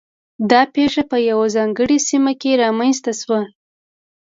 دا پېښه په یوه ځانګړې سیمه کې رامنځته شوه.